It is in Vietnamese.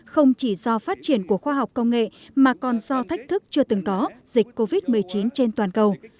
không chỉ do phát triển của khoa học công nghệ mà còn do thách thức chưa từng có dịch covid một mươi chín trên toàn cầu